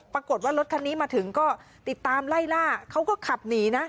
ปรากฏว่ารถคันนี้มาถึงก็ติดตามไล่ล่าเขาก็ขับหนีนะ